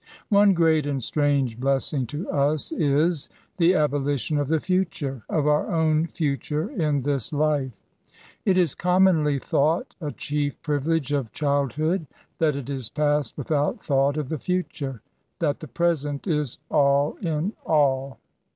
One great and strange blessing to us is, the abo > lition of the future— of our own future in this life. It is commonly thought a chief privilege of childhood, that it is passed without thought of the future — ^that the present is all in all.